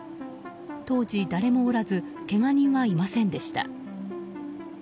当時、誰もおらずけが人はいませんでした。